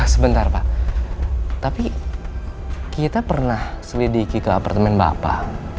sebentar pak tapi kita pernah selidiki ke apartemen bapak